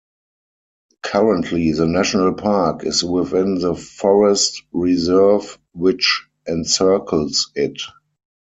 Currently the national park is within the forest reserve which encircles it.